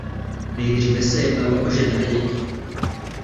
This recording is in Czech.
Nejdříve se jednalo o ženy a děti.